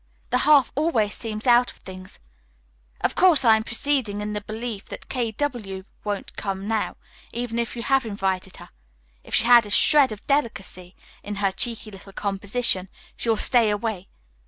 The half always seems out of things. Of course, I am proceeding in the belief that K. W. won't come now, even if you have invited her. If she has a shred of delicacy in her cheeky little composition, she will stay away.